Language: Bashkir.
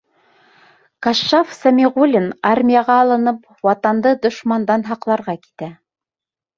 Кашшаф Сәмиғуллин, армияға алынып, Ватанды дошмандан һаҡларға китә.